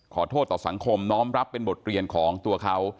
ขอโทษต่อสังคมน้อมรับเป็นบทเรียนของตัวเขา